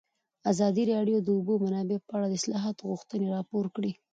ازادي راډیو د د اوبو منابع په اړه د اصلاحاتو غوښتنې راپور کړې.